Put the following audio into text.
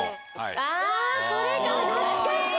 あこれか懐かしい。